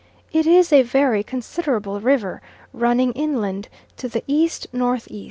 It is a very considerable river, running inland to the E.N.E.